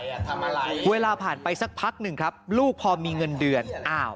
เวลาผ่านไปสักพักหนึ่งครับลูกพอมีเงินเดือนอ้าว